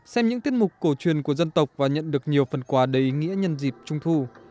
xem những tiết mục cổ truyền của dân tộc và nhận được nhiều phần quà đầy nghĩa nhân dịp trung thu